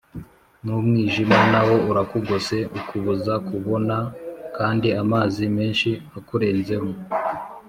n’umwijima na wo urakugose ukubuza kubona, kandi amazi menshi akurenzeho